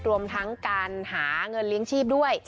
รวมทั้งการหาเงินเลี้ยงชีพด้วย